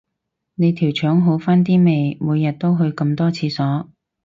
你條腸好返啲未，每日都去咁多廁所